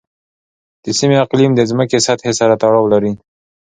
د سیمې اقلیم د ځمکې سطحې سره تړاو لري.